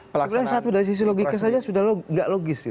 kemudian satu dari sisi logika saja sudah tidak logis